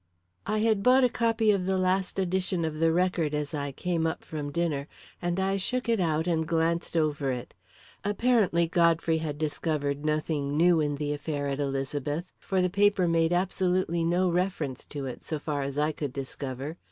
I had bought a copy of the last edition of the Record as I came up from dinner, and I shook it out and glanced over it. Apparently Godfrey had discovered nothing new in the affair at Elizabeth, for the paper made absolutely no reference to it, so far as I could discover.